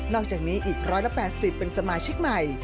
อกจากนี้อีก๑๘๐เป็นสมาชิกใหม่